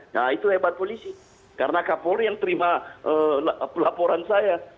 nah itu hebat polisi karena kapolri yang terima laporan saya